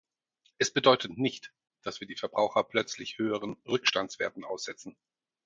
Es bedeutet nicht, dass wir die Verbraucher plötzlich höheren Rückstandswerten aussetzen.